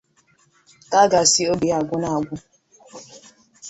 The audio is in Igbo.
ka a ga-asị oge ya agwụna agwụ